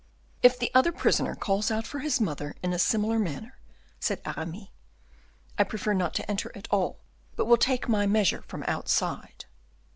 "If the other prisoner calls out for his mother in a similar manner," said Aramis, "I prefer not to enter at all, but will take my measure from outside."